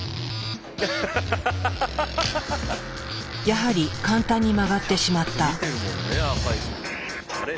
やはり簡単に曲がってしまった。